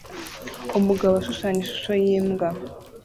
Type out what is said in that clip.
Umugabo ashushanya ishusho yimbwa